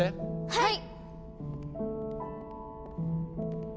はい！